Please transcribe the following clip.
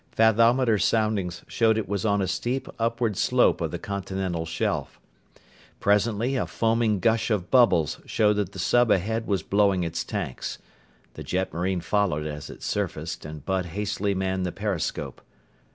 Fathometer soundings showed it was on a steep upward slope of the continental shelf. Presently a foaming gush of bubbles showed that the sub ahead was blowing its tanks. The jetmarine followed as it surfaced and Bud hastily manned the periscope.